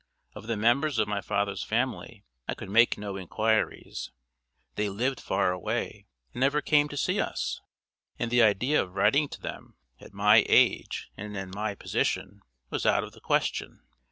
Of the members of my father's family I could make no inquiries. They lived far away, and never came to see us; and the idea of writing to them, at my age and in my position, was out of the question.